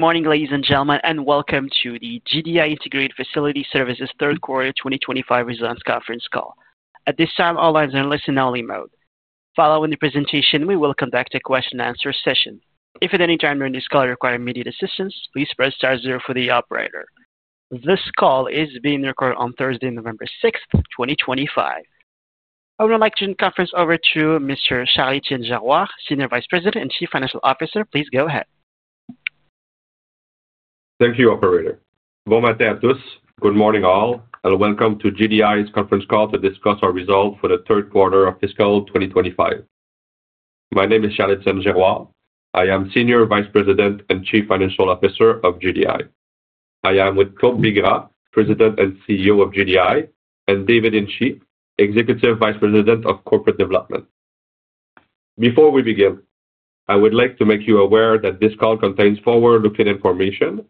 Morning ladies and gentlemen and welcome to the GDI Integrated Facility Services Third Quarter 2025 Results Conference Call. At this time all lines are in listen only mode. Following the presentation we will conduct a question-and-answer session. If at any time during this call you require immediate assistance, please press star zero for the operator. This call is being recorded on Thursday, November 6, 2025. I would like to turn the conference over to Mr. Charles-Etienne Girouard, Senior Vice President and Chief Financial Officer. Please go ahead. Thank you, operator. Good morning all, and welcome to GDI's conference call to discuss our results for the third quarter of fiscal 2025. My name is Charles-Etienne Girouard. I am Senior Vice President and Chief Financial Officer of GDI. I am with Claude Bigras, President and CEO of GDI, and David Hinchey, Executive Vice President of Corporate Development. Before we begin, I would like to make you aware that this call contains forward-looking information,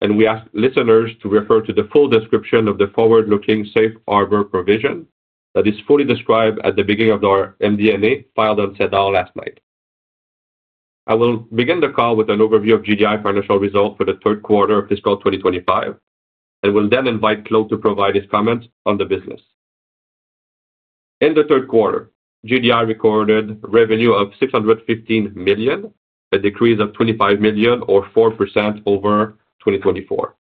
and we ask listeners to refer to the full description of the forward-looking Safe Harbor provision that is fully described at the beginning of our MD&A filed on SEDAR last night. I will begin the call with an overview of GDI financial results for the third quarter of fiscal 2025 and will then invite Claude to provide his comments on the business. In the third quarter, GDI recorded revenue of 615 million, a decrease of 25 million or 4% over 2024.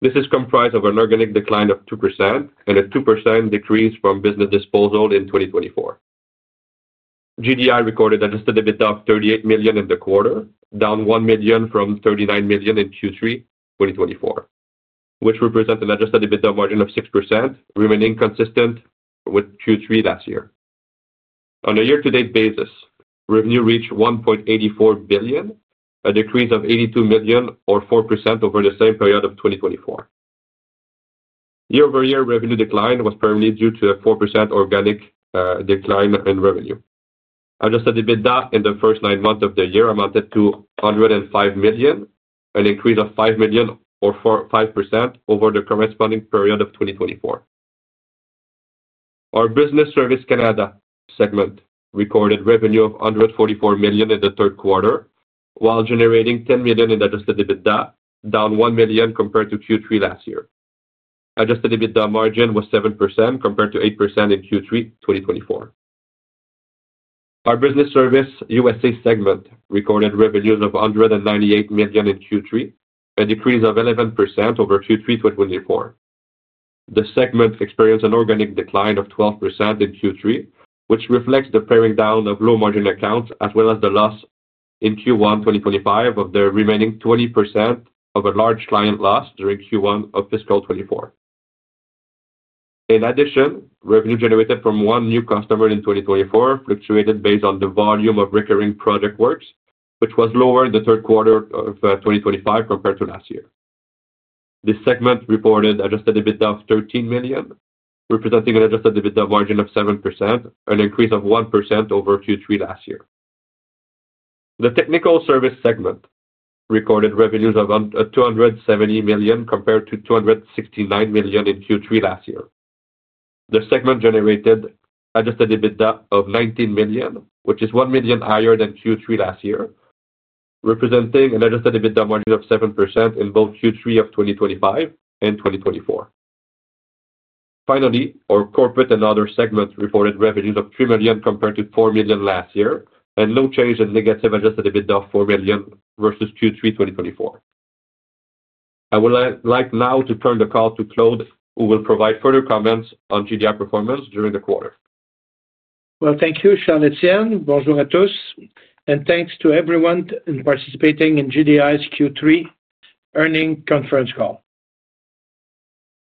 This is comprised of an organic decline of 2% and a 2% decrease from business disposal. In 2024, GDI recorded adjusted EBITDA of 38 million in the quarter, down 1 million from 39 million in Q3 2024, which represents an adjusted EBITDA margin of 6%, remaining consistent with Q3 last year. On a year-to-date basis, revenue reached 1.84 billion, a decrease of 82 million or 4% over the same period of 2024. Year-over-year revenue decline was primarily due to a 4% organic decline in revenue. Adjusted EBITDA in the first nine months of the year amounted to 105 million, an increase of 5 million or 5% over the corresponding period of 2024. Our Business Services Canada segment recorded revenue of 144 million in the third quarter while generating 10 million in adjusted EBITDA, down 1 million compared to Q3 last year. Adjusted EBITDA margin was 7% compared to 8% in Q3 2024. Our Business Services USA segment recorded revenues of 198 million in Q3, a decrease of 11% over Q3 2024. The segment experienced an organic decline of 12% in Q3, which reflects the paring down of low margin accounts as well as the loss in Q1 2025 of the remaining 20% of a large client loss during Q1 of fiscal 2024. In addition, revenue generated from one new customer in 2024 fluctuated based on the volume of recurring project works, which was lower in the third quarter of 2025 compared to last year. This segment reported adjusted EBITDA of 13 million representing an adjusted EBITDA margin of 7%, an increase of 1% over Q3 last year. The Technical Service segment recorded revenues of 270 million compared to 269 million in Q3 last year. The segment generated adjusted EBITDA of 19 million, which is 1 million higher than Q3 last year, representing an adjusted EBITDA margin of 7% in both Q3 of 2025 and 2024. Finally, our Corporate and Other segments reported revenues of 3 million compared to 4 million last year and no change in negative adjusted EBITDA, 4 million versus Q3 2024. I would like now to turn the call to Claude, who will provide further comments on GDI performance during the quarter. Well, thank you, Charles-Étienne. Bonjour, tous, and thanks to everyone in participating in GDI's Q3 earnings conference call.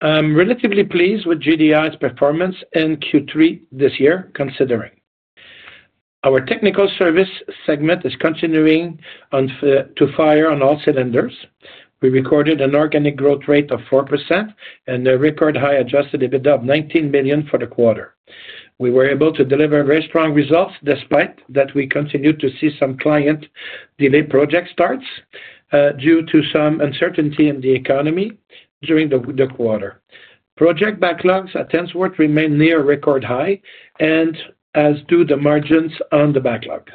I'm relatively pleased with GDI's performance in Q3 this year considering our technical services segment is continuing to fire on all cylinders. We recorded an organic growth rate of 4% and a record high adjusted EBITDA of 19 million for the quarter. We were able to deliver very strong results. Despite that, we continued to see some client delay project starts due to some uncertainty in the economy during the quarter. Project backlogs at Tensworth remain near record high and as do the margins on the backlog.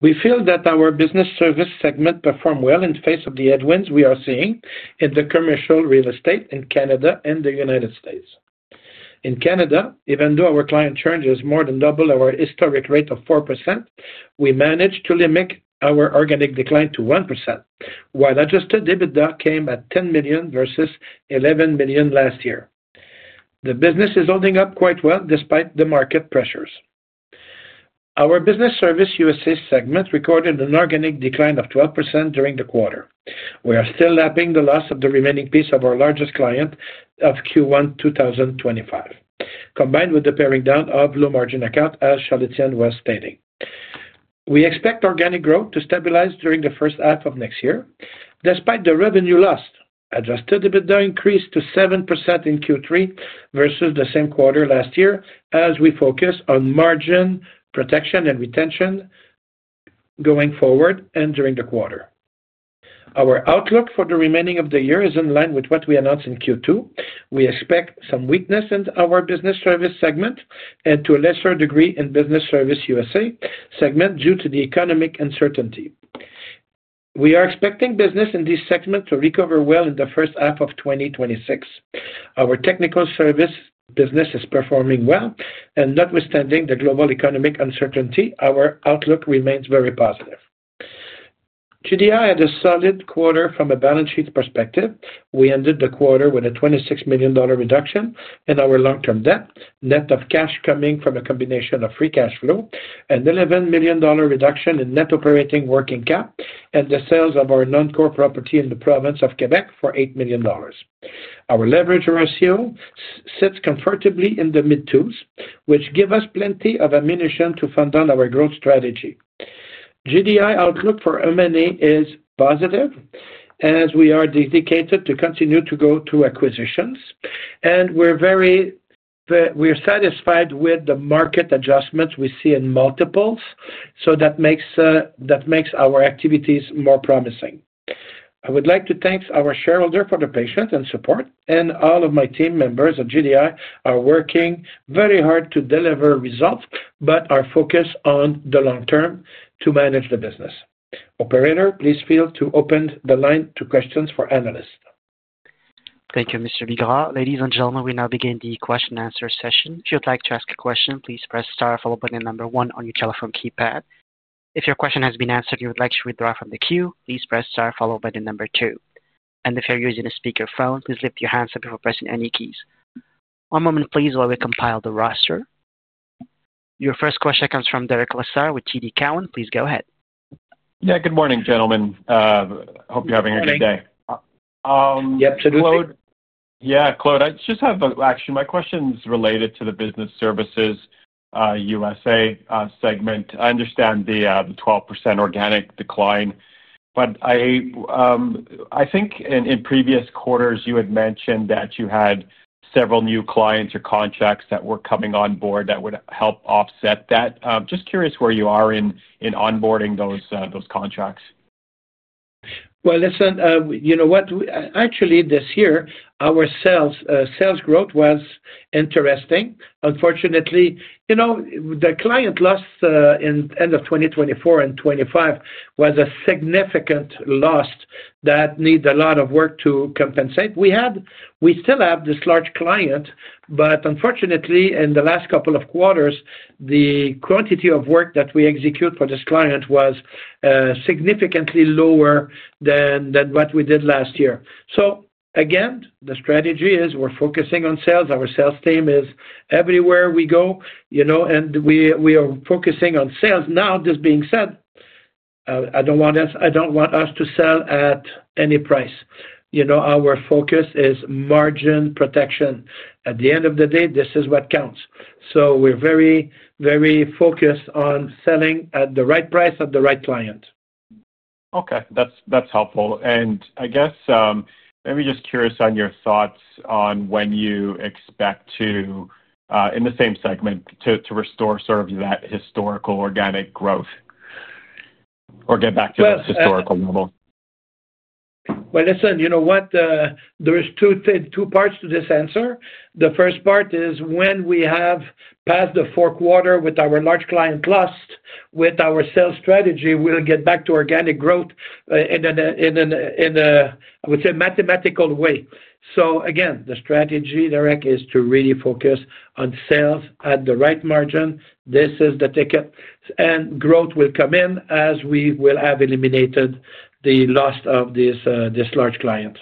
We feel that our business services segment performed well in face of the headwinds we are seeing in the commercial real estate in Canada and the United States. In Canada, even though our client churn is more than double our historic rate of 4%, we managed to limit our organic decline to 1% while adjusted EBITDA came at 10 million versus 11 million last year. The business is holding up quite well despite the market pressures. Our Business Services USA segment recorded an organic decline of 12% during the quarter. We are still lapping the loss of the remaining piece of our largest client of Q1 2025 combined with the paring down of low margin account. As Charles-Etienne was stating, we expect organic growth to stabilize during the first half of next year despite the revenue loss. Adjusted EBITDA increased to 7% in Q3 versus the same quarter last year. As we focus on margin protection and retention going forward and during the quarter, our outlook for the remainder of the year is in line with what we announced in Q2. We expect some weakness in our Business Services segment and to a lesser degree in Business Service USA segment. Due to the economic uncertainty, we are expecting business in this segment to recover well in the first half of 2026. Our Technical Services Business is performing well and notwithstanding the global economic uncertainty, our outlook remains very positive. GDI had a solid quarter from a balance sheet perspective. We ended the quarter with a 26 million dollar reduction in our long-term debt net of cash coming from a combination of free cash flow, 11 million dollar reduction in net operating working capital, and the sale of our non-core property in the province of Quebec for 8 million dollars. Our leverage ratio sits comfortably in the mid-2s, which gives us plenty of ammunition to double down on our growth strategy. GDI outlook for M&A is positive as we are dedicated to continue to grow through acquisitions and we're very satisfied with the market adjustments we see in multiples. So that makes our activities more promising. I would like to thank our shareholders for the patience and support and all of my team members at GDI are working very hard to deliver results but are focused on the long term to manage the business. Operator, please feel free to open the line to questions for analysts. Thank you, Mr. Bigras. Ladies and gentlemen, we now begin the question answer session. If you'd like to ask a question, please press star followed by number one on your telephone keypad. If your question has been answered you would like to withdraw from the queue, please press star followed by the number two. And if you're using a speakerphone, please lift your hands before pressing any keys. One moment please while we compile the roster. Your first question comes from Derek Lassard with TD Cowen. Please go ahead. Yeah, good morning gentlemen. Hope you're having a good day. Yeah, Claude, I just have actually my questions related to the Business Services USA segment. I understand the 12% organic decline, but I think in previous quarters you had mentioned that you had several new clients or contracts that were coming on board that would help offset that. Just curious where you are in onboarding those contracts. You know what? Actually, this year our sales growth was interesting. Unfortunately, you know, the client loss in end of 2024 and 2025 was a significant loss that needs a lot of work to compensate. We had. We still have this large client, but unfortunately, in the last couple of quarters, the quantity of work that we execute for this client is significantly lower than what we did last year. Again, the strategy is we're focusing on sales. Our Sales Team is everywhere we go, you know, and we are focusing on sales. Now, this being said, I don't want us to sell at any price. You know, our focus is margin protection. At the end of the day, this is what counts. We're very, very focused on selling at the right price at the right client. Okay, that's helpful. And I guess maybe just curious on your thoughts on when you expect to in the same segment, to restore sort of that historical organic growth or get back to that historical level? Well, listen, you know what, there's two parts to this answer. The first part is when we have passed the fourth quarter with our large client loss with our sales strategy, we'll get back to organic growth in, I would say, mathematical way. So again, the strategy, Derek, is to really focus on sales at the right margin. This is the ticket. And growth will come in as we will have eliminated the loss of this large client.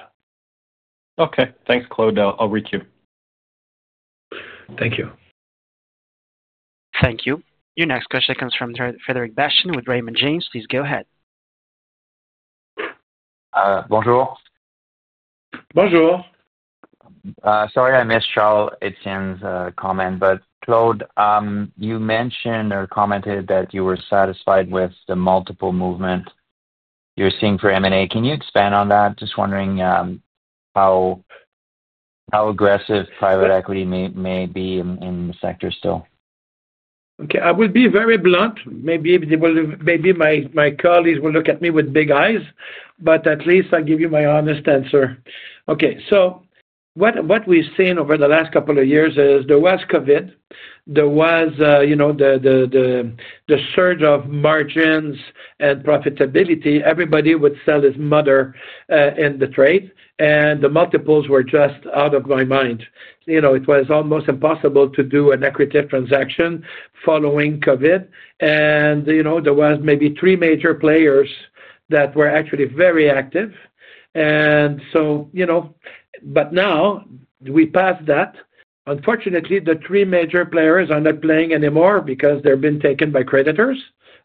Okay, thanks, Claude. I'll reach you. Thank you. Thank you. Your next question comes from Frederic Bastien with Raymond James. Please go ahead. Bonjour. Bonjour. Sorry I missed Charles-Étienne's comment, but Claude, you mentioned or commented that you were satisfied with the multiple movement you're seeing for M&A. Can you expand on that? Just wondering how aggressive private equity may be in the sector still. Okay, I would be very blunt. Maybe my colleagues will look at me with big eyes, but at least I give you my honest answer. Okay, so what we've seen over the last couple of years is there was COVID, there was the surge of margins and profitability. Everybody would sell his mother in the trade. And the multiples were just out of my mind. It was almost impossible to do an accretive transaction following COVID. And there was maybe three major players that were actually very active. But now we passed that, unfortunately the three major players are not playing anymore because they're being taken by creditors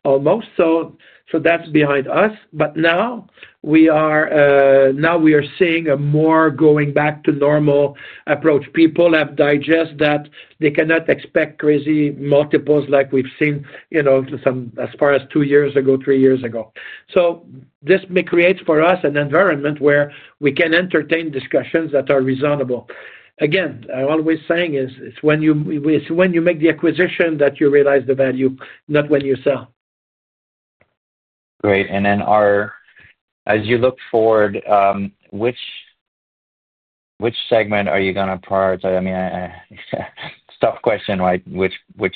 almost. So that's behind us. But now we are, now we are seeing a more going back to normal approach. People have digest that they cannot expect crazy multiples like we've seen as far as two years ago, three years ago. So this may create for us an environment where we can entertain discussions that are reasonable. Again, I always saying, it's when you make the acquisition that you realize the value, not when you sell. Great. And then as you look forward, which segment are you going to prioritize. I mean, it's a tough question, which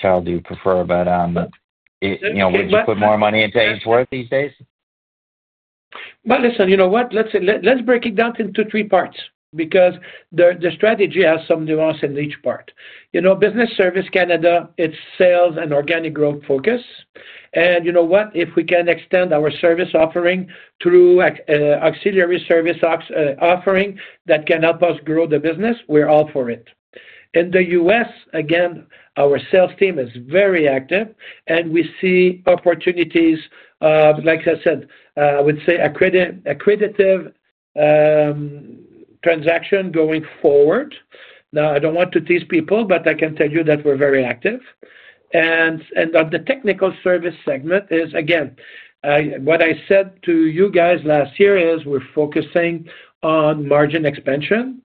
child do you prefer? But would you put more money into [H. Worth] these days? Well, listen, you know what, let's break it down into three parts because the strategy has some nuance in each part. Business Service Canada, it's sales and organic growth focus. And you know what, if we can extend our service offering through auxiliary service offering that can help us grow the business, we're all for it in the U.S. again, our sales team is very active and we see opportunities. Like I said, I would say accredited transaction going forward. Now I don't want to tease people, but I can tell you that we're very active. And the Technical Service segment is again, what I said to you guys last year is we're focusing on margin expansion.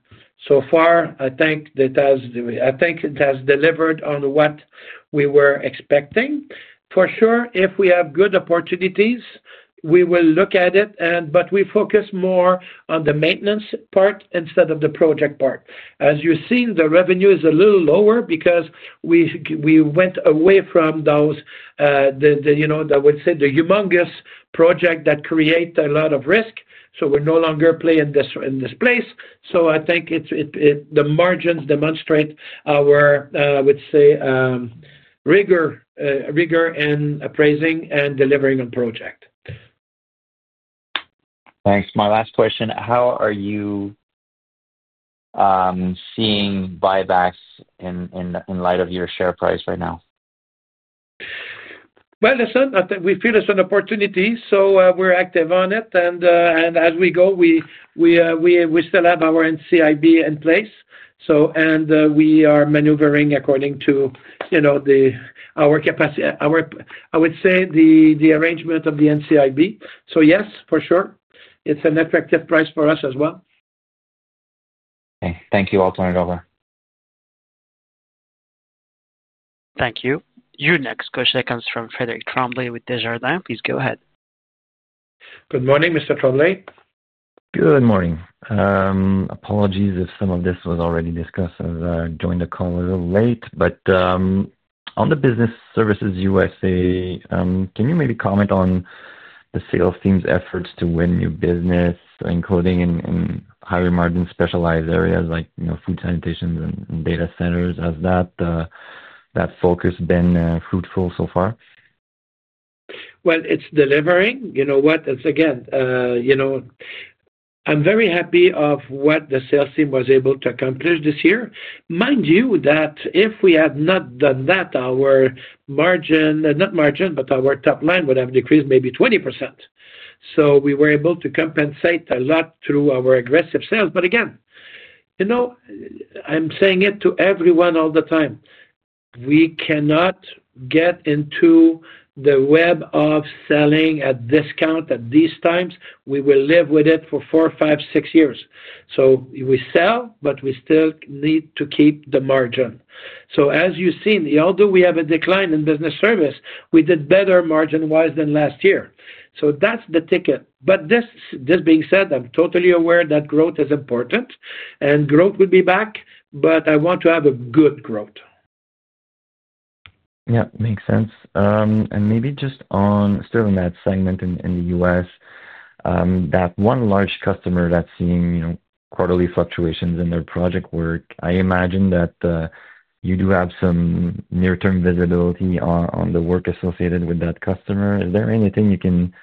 So far I think it has delivered on what we were expecting. For sure. If we have good opportunities, we will look at it. But we focus more on the maintenance part instead of the project part. As you see, the revenue is a little lower because we went away from those, I would say the humongous project that create a lot of risk. So we're no longer playing in this place. So I think the margins demonstrate our, let's say, rigor in appraising and delivering on project. Thanks. My last question, how are you seeing buybacks in light of your share price right now? Well, listen, we feel it's an opportunity so we're active on it. And as we go, we still have our NCIB in place and we are maneuvering according to our capacity, I would say the arrangement of the NCIB. So yes, for sure it's an attractive price for us as well. Thank you. I'll turn it over. Thank you. Your next question comes from Frederic Tremblay with Desjardins. Please go ahead. Good morning, Mr. Tremblay. Good morning. Apologies if some of this was already discussed as I joined the call a little late. But on the Business Services USA, can you maybe comment on the Sales Team's efforts to win new business encoding and higher margin specialized areas like food, sanitation and data centers. Has that that focus been fruitful so far? Well, it's delivering. You know what it's again, you know, I'm very happy of what the Sales Team was able to accomplish this year. Mind you that if we had not done that, our margin, not margin but our top line would have decreased maybe 20%. So we were able to compensate a lot through our aggressive sales. But again, you know, I'm saying it to everyone all the time, we cannot get into the web of selling at discount at these times, we will live with it for four, five, six years. So we sell, but we still need to keep the margin. So as you see, although we have a decline in Business Service, we did better margin wise than last year. So that's the ticket. But this being said, I'm totally aware that growth is important and growth would be back, but I want to have a good growth. Yeah, makes sense. And maybe just in that segment in the U.S. that one large customer that's seeing quarterly fluctuations in their project work, I imagine that you do have some near term visibility on the work associated with that customer. Is there anything you can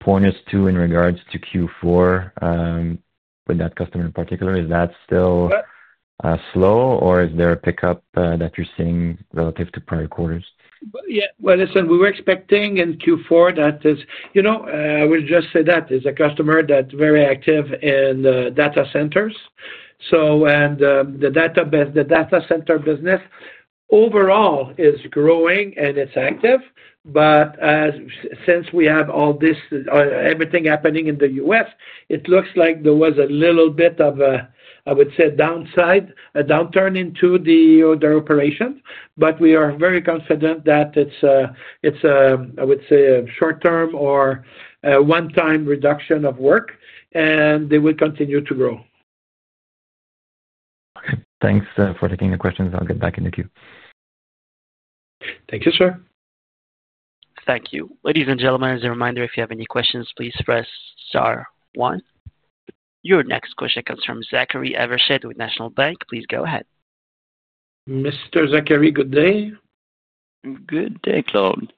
point us to in regards to Q4 with that customer in particular? Is that still slow or is there a pickup that you're seeing relative to prior quarters? Yeah, well listen, we were expecting in Q4 that is, you know, I will just say that is a customer that's very active in data centers. So and the data, the data center business overall is growing and it's active. But since we have all this everything happening in the U.S. it looks like there was a little bit of, I would say downside, a downturn into the order operations. But we are very confident that it's, I would say a short term or one time reduction of work and they will continue to grow. Okay, thanks for taking your questions. I'll get back in the queue. Thank you, sir. Thank you. Ladies and gentlemen, as a reminder, if you have any questions, please press star one. Your next question comes from Zachary Evershed with National bank. Please go ahead, Mr. Zachary. Good day. Good day. Claude,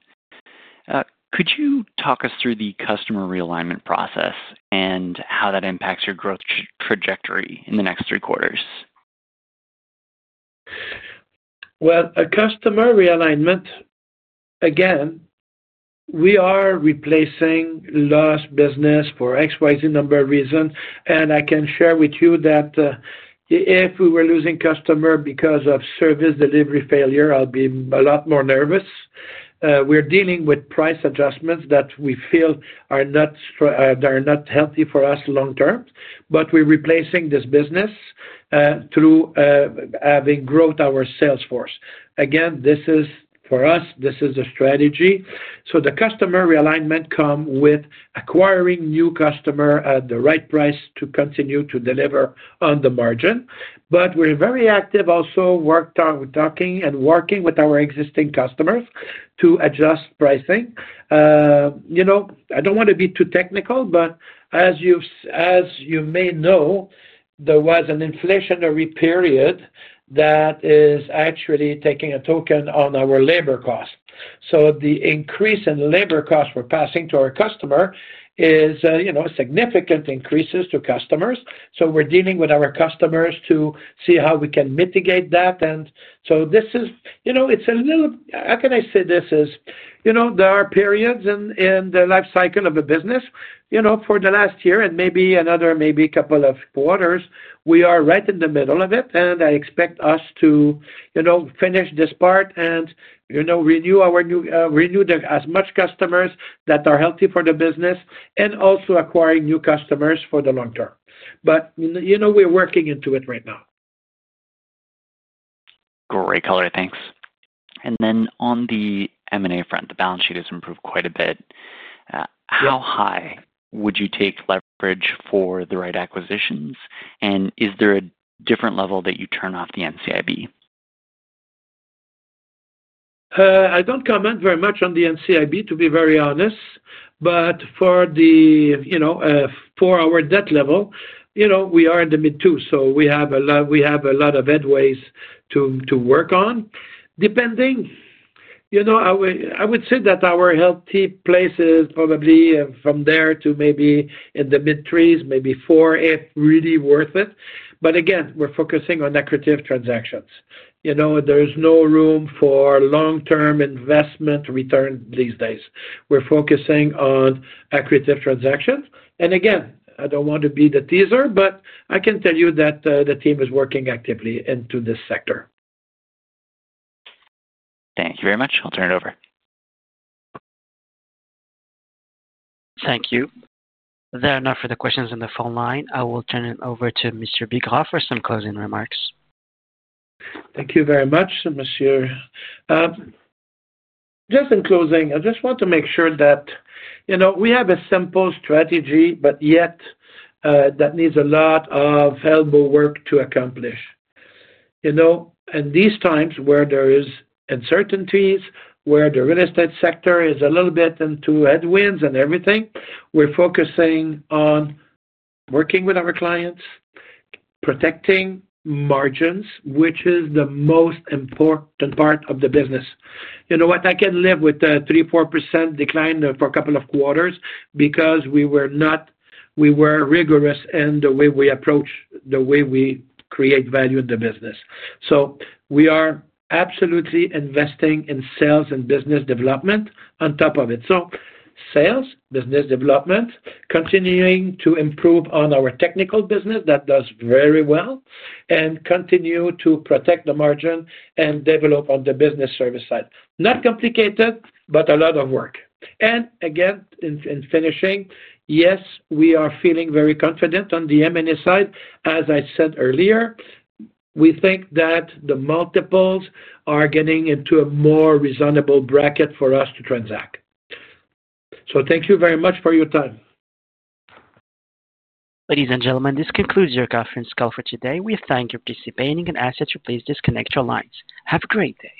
could you talk us through the customer realignment process and how that impacts your growth trajectory in the next three quarters? Well, a customer realignment again. We are replacing lost business for XYZ number of reasons. And I can share with you that if we were losing customer because of service delivery failure, I'll be a lot more nervous. We're dealing with price adjustments that we feel are not healthy for us long term. But we're replacing this business through having growth our sales force. Again, this is for us, this is a strategy. So the customer realignment comes with acquiring new customer at the right price to continue to deliver on the margin. But we're very active also talking and working with our existing customers to adjust pricing. I don't want to be too technical, but as you may know, there was an inflationary period that is actually taking a token on our labor cost. So the increase in labor costs we're passing to our customer is, you know, significant increases to customers. So we're dealing with our customers to see how we can mitigate that. And so this is, you know, it's a little, how can I say this is, you know, there are periods in the life-cycle of a business, you know, for the last year and maybe another maybe couple of quarters, we are right in the middle of it and I expect us to, you know, finish this part and you know, renew our new, renew as much customers that are healthy for the business and also acquiring new customers for the long term. But, you know, we're working into it right now. Great color. Thanks. And then on the M&A front, the balance sheet has improved quite a bit. How high would you take leverage for the right acquisitions? And is there a different level that you turn off the ncib? I don't comment very much on the NCIB, to be very honest. But for the, you know, for our debt level, you know, we are in the mid two, so we have a lot, we have a lot of headways to work on. Depending, you know, I would say that our healthy places probably from there to maybe in the mid 3s, maybe 4. It's really worth it. But again, we're focusing on accretive transactions. You know, there's no room for long term investment return these days. We're focusing on accretive transactions. And again, I don't want to be the teaser, but I can tell you that the team is working actively into this sector. Thank you very much. I'll turn it over. Thank you. There are no further questions on the phone line. I will turn it over to Mr. Bigras for some closing remarks. Thank you very much. Monsieur. Just in closing, I just want to make sure that, you know, we have a simple strategy, but yet that needs a lot of elbow work to accomplish. You know, in these times where there is uncertainties, where the real estate sector is a little bit into headwinds and everything, we're focusing on working with our clients, protecting margins, which is the most important part of the business. You know what, I can live with 3%,4% decline for a couple of quarters because we were rigorous in the way we approach, the way we create value in the business. So we are absolutely investing in Sales and Business development on top of it. So Sales, Business development, continuing to improve on our Technical Business, that does very well and continue to protect the margin and develop on the Business Service side, not complicated, but a lot of work. And again, in finishing, yes, we are feeling very confident on the M&A side. As I said earlier, we think that the multiples are getting into a more reasonable bracket for us to transact. So thank you very much for your time. Ladies and gentlemen, this concludes your conference call for today. We thank you for participating and ask that you please disconnect your lines. Have a great day.